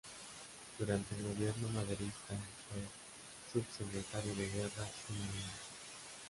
Durante el gobierno maderista fue subsecretario de Guerra y Marina.